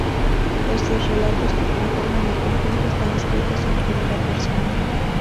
Los diez relatos que conforman el conjunto están escritos en primera persona.